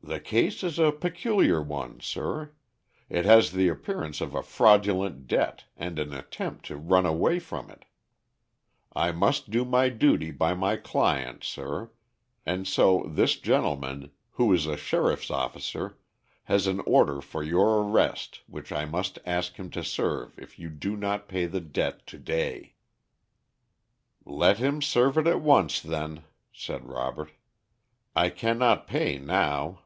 "The case is a peculiar one, sir. It has the appearance of a fraudulent debt and an attempt to run away from it. I must do my duty by my client, sir; and so this gentleman, who is a sheriff's officer, has an order for your arrest, which I must ask him to serve if you do not pay the debt to day." [Illustration: "LET HIM SERVE IT AT ONCE, THEN."] "Let him serve it at once, then," said Robert. "I can not pay now."